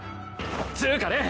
つうか錬！